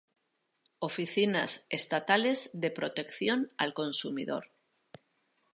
Oficinas estatales de protección al consumidor